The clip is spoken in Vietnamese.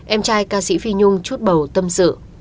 em trai ca sĩ phi nhung chút bầu tâm sự